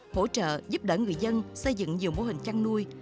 hỗ trợ giúp đỡ người dân xây dựng nhiều mô hình chăn nuôi